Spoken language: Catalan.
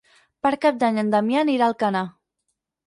Per Cap d'Any en Damià anirà a Alcanar.